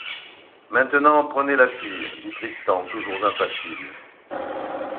Maintenant, prenez la fille, dit Tristan toujours impassible.